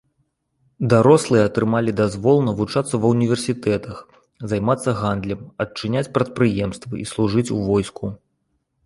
Дарослыя атрымалі дазвол навучацца ва ўніверсітэтах, займацца гандлем, адчыняць прадпрыемствы і служыць у войску.